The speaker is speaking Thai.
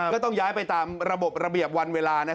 ก็ต้องย้ายไปตามระบบระเบียบวันเวลา